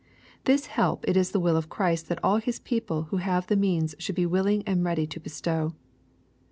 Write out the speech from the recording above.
This help it is the will of Christ that all His people who have the means should be wil ling and ready to bestow.